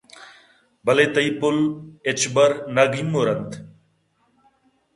بلئے تئی پُلّ ہچبر نہ گیمُرنت